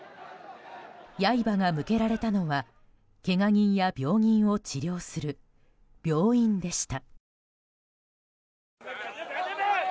刃が向けられたのはけが人や病人を治療する病院でした。